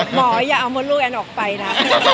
อย่าเอามดลูกแอนออกไปนะ